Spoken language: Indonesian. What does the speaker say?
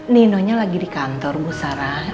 nino nya lagi di kantor bu zahra